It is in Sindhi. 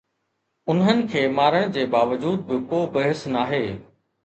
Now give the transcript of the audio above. انهن کي مارڻ جي باوجود به ڪو بحث ناهي